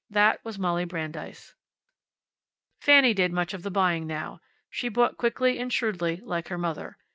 That was Molly Brandeis. Fanny did much of the buying now. She bought quickly and shrewdly, like her mother.